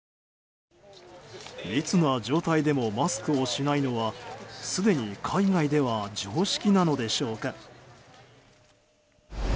密な状態でもマスクをしないのはすでに海外では常識なのでしょうか。